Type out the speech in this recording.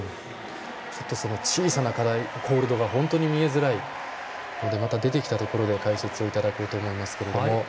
小さなホールドが本当に見えづらいので出てきたところで解説いただこうと思いますが。